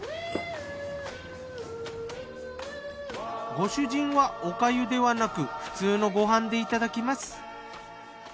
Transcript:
ご主人はおかゆではなく普通のご飯でいただきます。